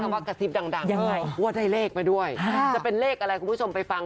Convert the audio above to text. ว่ายังไงว่าได้เลขมาด้วยจะเป็นเลขอะไรคุณผู้ชมไปฟัง